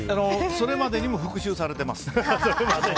それまでにも復讐されています。